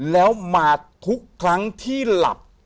แล้วมาทุกครั้งที่หลับ